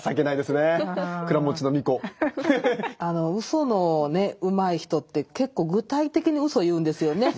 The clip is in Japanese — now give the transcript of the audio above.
嘘のねうまい人って結構具体的に嘘を言うんですよね。